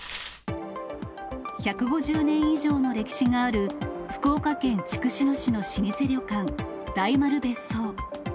１５０年以上の歴史がある、福岡県筑紫野市の老舗旅館、大丸別荘。